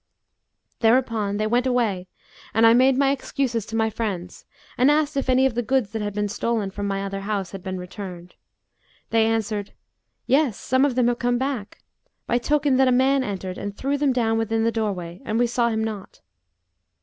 Thereupon they went away and I made my excuses to my friends, and asked if any of the goods that had been stolen from my other house had been returned. They answered, 'Yes! some of them have come back; by token that a man entered and threw them down within the doorway and we saw him not.'